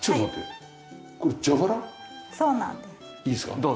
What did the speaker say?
いいですか？